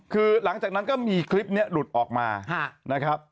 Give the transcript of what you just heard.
คือหลังจากนั้นก็มีคลิปนี้หลุดออกมานะครับ